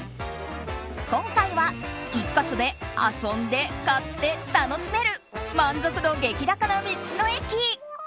今回は１か所で遊んで買って楽しめる満足度激高な道の駅。